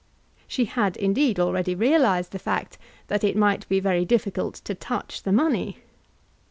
She had, indeed, already realised the fact that it might be very difficult to touch the money.